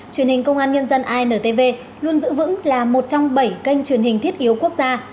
truyền hình công an nhân dân intv luôn giữ vững là một trong bảy kênh truyền hình thiết yếu quốc gia